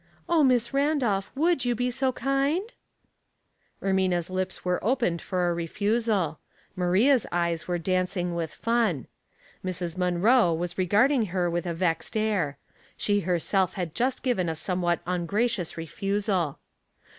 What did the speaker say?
" O Miss Randolph, would you be so kind ?" Ermina's lips were opened for a refusal. Maria's eyes were dancing with fun. Mrs. Munroe was regarding her with a vexed air; she herself had just given a somewhat un gracious refusal.